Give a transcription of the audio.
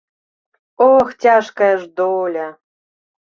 Ох, цяжкая ж доля!